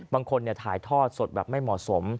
บางคนถ่ายทอดสดแบบไม่เหมาะสม